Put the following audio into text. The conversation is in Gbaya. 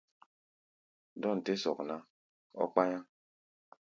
Dɔ̂n tɛ́ sɔk ná, ɔ́ kpá̧yá̧.